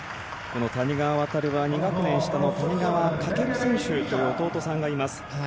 谷川航は２学年下の谷川翔選手という弟がいます。